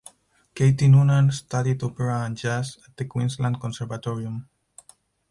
Katie Noonan studied opera and jazz at the Queensland Conservatorium.